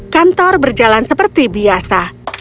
kantor berjalan seperti biasa